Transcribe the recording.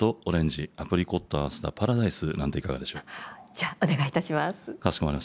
じゃあお願いいたします。